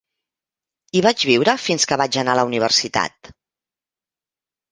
Hi vaig viure fins que vaig anar a la universitat.